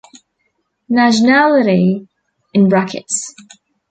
Nationality in brackets.